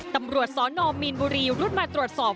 ตำรวจสนมีนบุรีรุดมาตรวจสอบ